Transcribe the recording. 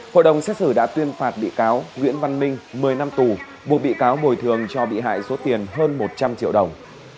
hội đồng xét xử đã tuyên phạt bị cáo nguyễn văn minh một mươi năm tù buộc bị cáo bồi thường cho bị hại số tiền hơn một trăm linh triệu đồng